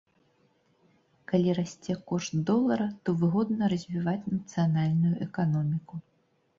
Калі расце кошт долара, то выгодна развіваць нацыянальную эканоміку.